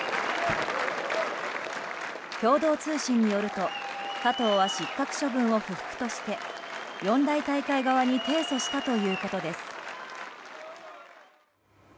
共同通信によると加藤は失格処分を不服として四大大会側に提訴したということです。